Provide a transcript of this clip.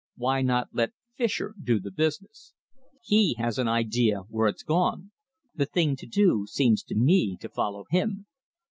Why not let Fischer do the business? He has an idea where it's gone. The thing to do seems to me to follow him."